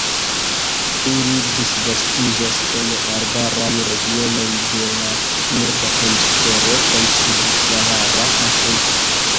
Ili disvastiĝas en arbaraj regionoj de la Norda Hemisfero kaj subsahara Afriko.